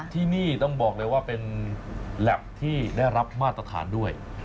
ที่นี่ต้องบอกเลยว่าเป็นแล็บที่ได้รับมาตรฐานด้วย